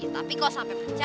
tapi kalau sampai pecah